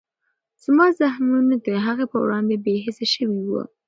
زما زخمونه د هغې په وړاندې بېحسه شوي وو.